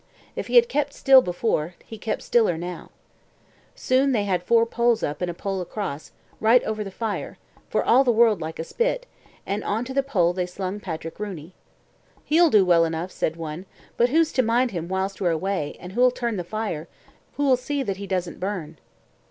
If he had kept still before, he kept stiller now. Soon they had four poles up and a pole across, right over the fire, for all the world like a spit, and on to the pole they slung Patrick Rooney. "He'll do well enough," said one; "but who's to mind him whilst we're away, who'll turn the fire, who'll see that he doesn't burn?"